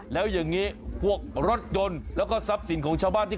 แล้วอย่างนี้พวกรถยนต์แล้วก็ทรัพย์สินของชาวบ้านที่